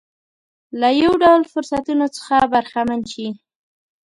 له یو ډول فرصتونو څخه برخمن شي.